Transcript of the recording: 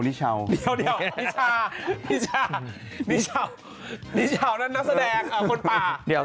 นิเช้านานนักแสดงคนป่า